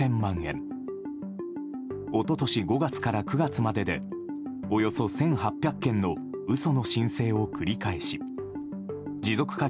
おととし５月から９月まででおよそ１８００件の嘘の申請を繰り返し持続化